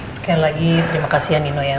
sekali lagi terima kasih ya nino ya